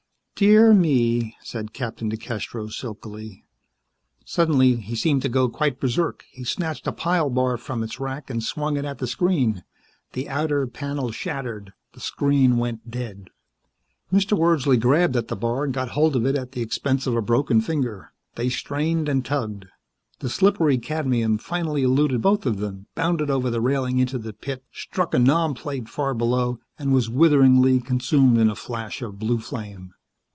"Dear me," said Captain DeCastros silkily. Suddenly he seemed to go quite berserk. He snatched a pile bar from its rack and swung it at the screen. The outer panel shattered. The screen went dead. Mr. Wordsley grabbed at the bar and got hold of it at the expense of a broken finger. They strained and tugged. The slippery cadmium finally eluded both of them, bounded over the railing into the pit, struck a nomplate far below and was witheringly consumed in a flash of blue flame.